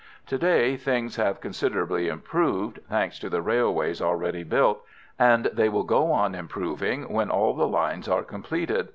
To day things have considerably improved, thanks to the railways already built, and they will go on improving when all the lines are completed.